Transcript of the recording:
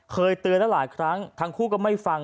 เคยเตือนแล้วหลายครั้งทั้งคู่ก็ไม่ฟัง